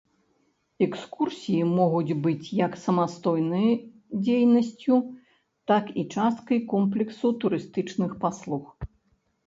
Экскурсіі могуць быць як самастойнай дзейнасцю, так і часткай комплексу турыстычных паслуг.